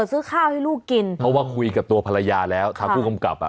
ซื้อข้าวให้ลูกกินเพราะว่าคุยกับตัวภรรยาแล้วทางผู้กำกับอ่ะ